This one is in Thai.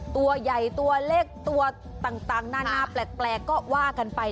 ตัวใหญ่ตัวเล็กตัวต่างนานาแปลกก็ว่ากันไป